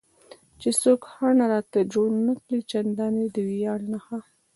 چې څوک خنډ راته جوړ نه کړي، چندانې د ویاړ نښه.